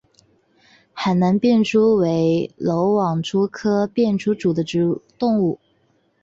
海南便蛛为缕网蛛科便蛛属的动物。